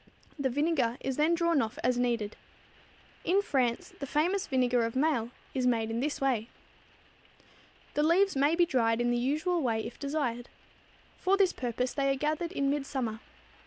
The vinegar is then drawn off as needed. In France, the famous vinegar of Maille is made in this way. The leaves may be dried in the usual way if desired. For this purpose they are gathered in midsummer.